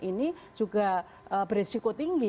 ini juga beresiko tinggi